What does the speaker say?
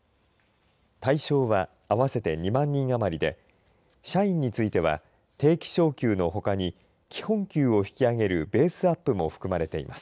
対象は合わせて２万人余りで社員については定期昇給のほかに基本給を引き上げるベースアップも含まれています。